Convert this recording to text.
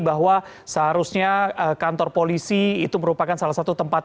bahwa seharusnya kantor polisi itu merupakan salah satu tempat